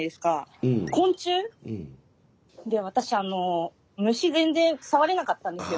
昆虫？で私あの虫全然さわれなかったんですよ。